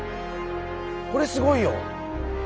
これすごいよ。